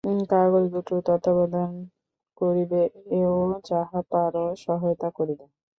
কাগজ দুটোর তত্ত্বাবধান করিবে ও যাহা পার সহায়তা করিবে।